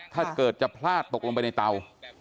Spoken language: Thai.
ถ้าเกิดจะพลาดตกลงไปในเตา